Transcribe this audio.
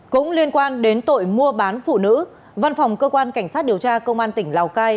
cũng liên quan đến tội mua bán phụ nữ văn phòng cơ quan cảnh sát điều tra công an tỉnh lào cai